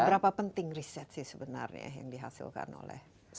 seberapa penting riset sih sebenarnya yang dihasilkan oleh